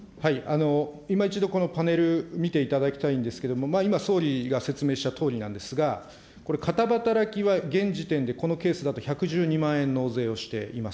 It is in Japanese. いま一度、このパネル見ていただきたいんですけれども、今、総理が説明したとおりなんですが、これ、片働きは、現時点でこのケースだと１１２万円納税をしています。